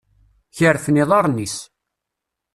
Kerfen iḍaṛen-is.